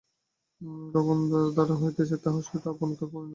গণনা দ্বারা দৃষ্ট হইতেছে তাহার সহিত আপনকার পরিণয় হইবেক।